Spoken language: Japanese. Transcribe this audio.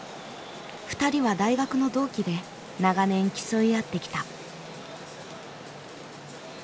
２人は大学の同期で長年競い合ってきた。